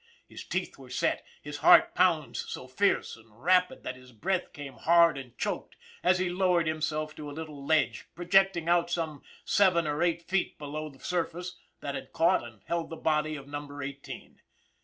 His teeth were set, his heart pounds so fierce and rapid that his breath came hard and choked, as he lowered himself to a little ledge, projecting out some seven or eight feet below the surface that had caught and held the body of Number Eighteen.